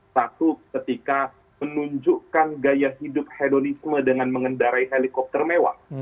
satu ketika menunjukkan gaya hidup hedonisme dengan mengendarai helikopter mewah